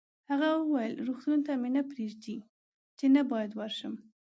هغه وویل: روغتون ته مې نه پرېږدي، چې نه باید ورشم.